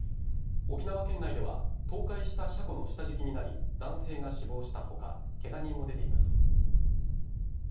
沖縄県内では倒壊した車庫の下敷きになり男性が死亡した他ケガ人も出ています。